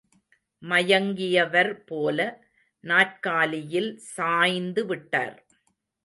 மயங்கியவர்போல, நாற்காலியில் சாய்ந்து விட்டார்.